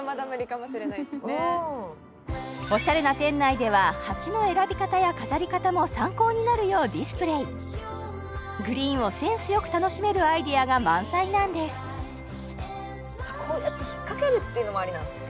おしゃれな店内では鉢の選び方や飾り方も参考になるようディスプレイグリーンをセンスよく楽しめるアイデアが満載なんですこうやって引っかけるっていうのもアリなんですね